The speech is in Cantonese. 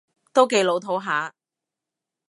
都幾老套吓